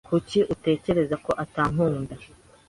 Kuki utekereza ko atankunda?